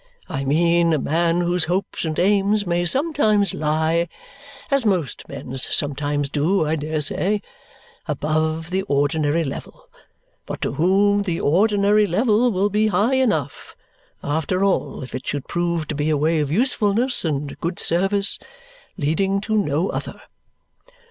I mean a man whose hopes and aims may sometimes lie (as most men's sometimes do, I dare say) above the ordinary level, but to whom the ordinary level will be high enough after all if it should prove to be a way of usefulness and good service leading to no other.